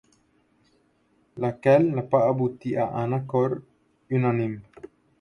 Laquelle n'a pas abouti à un accord unanime.